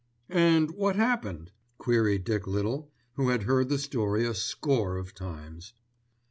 "And what happened?" queried Dick Little, who had heard the story a score of times.